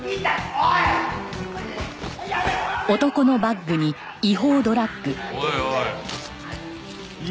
おいおい。